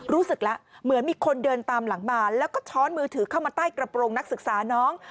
รู้สึกแล้วเหมือนมีคนเดินตามหลังมาแล้วก็ช้อนมือถือเข้ามาใต้กระโปรงนักศึกษาน้อง